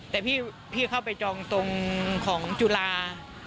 แต่พี่เข้าไปจองตรงของจุฬา